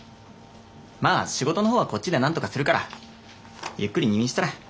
まあ仕事の方はこっちで何とかするからゆっくり入院したら。